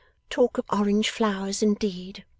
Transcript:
Talk of orange flowers indeed!